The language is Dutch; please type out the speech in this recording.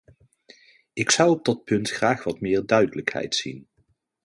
Ik zou op dat punt graag wat meer duidelijkheid zien.